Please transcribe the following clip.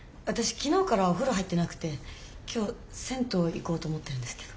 昨日からお風呂入ってなくて今日銭湯行こうと思ってるんですけど。